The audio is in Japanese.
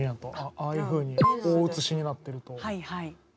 ああいうふうに大写しになってると。